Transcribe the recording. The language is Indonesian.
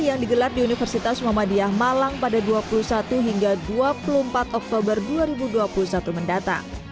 yang digelar di universitas muhammadiyah malang pada dua puluh satu hingga dua puluh empat oktober dua ribu dua puluh satu mendatang